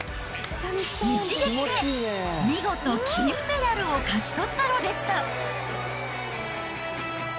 一撃で見事、金メダルを勝ち取ったのでした。